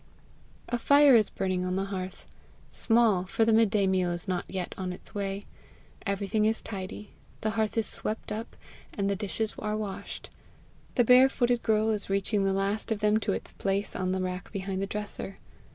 A fire is burning on the hearth small, for the mid day meal is not yet on its way. Everything is tidy; the hearth is swept up, and the dishes are washed: the barefooted girl is reaching the last of them to its place on the rack behind the dresser.